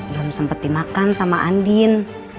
belum sempat dimakan sama andin